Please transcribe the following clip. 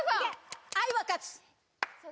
「愛は勝つ」